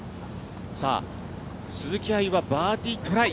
さあ、鈴木愛はバーディートライ。